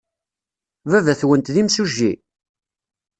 Baba-twent d imsujji?